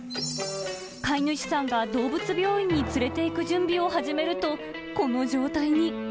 飼い主さんが動物病院に連れていく準備を始めると、この状態に。